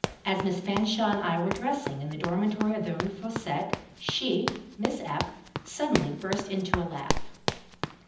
As Miss Fanshawe and I were dressing in the dormitory of the Rue Fossette, she (Miss F.) suddenly burst into a laugh.